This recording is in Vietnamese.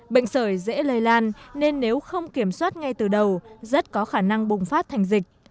bệnh sởi dễ lây lan nên nếu không kiểm soát ngay từ đầu rất có khả năng bùng phát thành dịch